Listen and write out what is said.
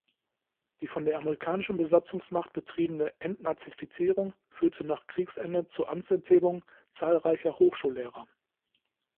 Die von der amerikanischen Besatzungsmacht betriebene Entnazifizierung führte nach Kriegsende zur Amtsenthebung zahlreicher Hochschullehrer.